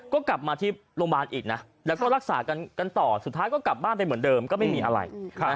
ก็กลับมาที่โรงพยาบาลอีกนะแล้วก็รักษากันต่อสุดท้ายก็กลับบ้านไปเหมือนเดิมก็ไม่มีอะไร